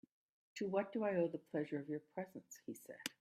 "To what do I owe the pleasure of your presence," he said.